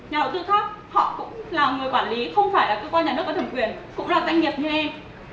nhà đầu tư khác họ cũng là người quản lý không phải là cơ quan nhà nước có thẩm quyền cũng là doanh nghiệp như em